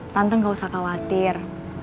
tante gak usah khawatir